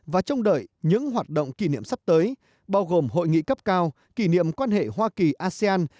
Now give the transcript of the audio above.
và trông đợi những hoạt động kỷ niệm sắp tới bao gồm hội nghị cấp cao kỷ niệm quan hệ hoa kỳ asean